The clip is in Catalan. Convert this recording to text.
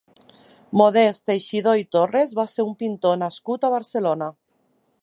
Modest Teixidor i Torres va ser un pintor nascut a Barcelona.